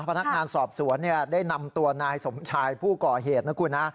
พนักงานสอบสวนได้นำตัวนายสมชายผู้ก่อเหตุนะคุณนะ